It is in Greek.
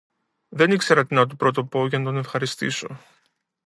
Δεν ήξερα τι να του πρωτοπώ για να τον ευχαριστήσω